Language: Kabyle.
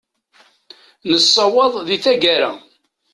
Nessawaḍ di taggara.